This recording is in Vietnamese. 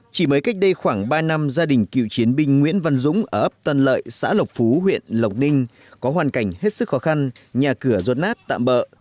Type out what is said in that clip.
chỉ mới cách đây khoảng ba năm gia đình cựu chiến binh nguyễn văn dũng ở ấp tân lợi xã lộc phú huyện lộc ninh có hoàn cảnh hết sức khó khăn nhà cửa rột nát tạm bỡ